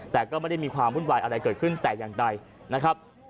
แต่ก็ไม่ได้มีความวุ่นวายอะไรเกิดขึ้นแต่อย่างใดนะครับ